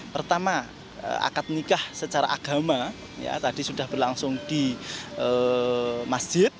pertama akad nikah secara agama tadi sudah berlangsung di masjid